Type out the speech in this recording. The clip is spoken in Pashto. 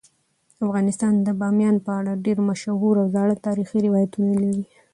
افغانستان د بامیان په اړه ډیر مشهور او زاړه تاریخی روایتونه لري.